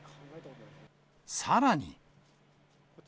さらに。